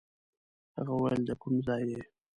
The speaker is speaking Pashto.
هغه ویل د کوم ځای یې.